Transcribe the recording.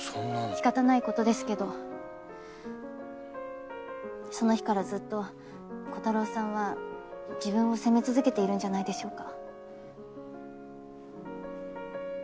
仕方ない事ですけどその日からずっとコタローさんは自分を責め続けているんじゃないでしょうか。